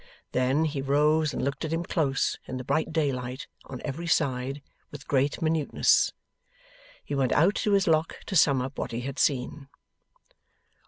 Then, he rose and looked at him close, in the bright daylight, on every side, with great minuteness. He went out to his Lock to sum up what he had seen.